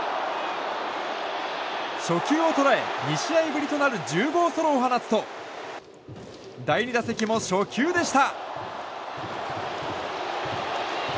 初球を捉え２試合ぶりとなる１０号ソロを放つと第２打席も初球でした！